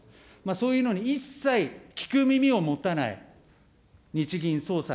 そういうのに一切聞く耳を持たない日銀総裁。